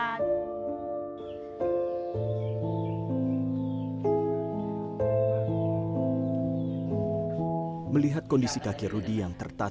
nah kamu lihat kamu lihat lalu dia lihat aja